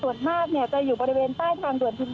เพราะตอนนี้ก็ไม่มีเวลาให้เข้าไปที่นี่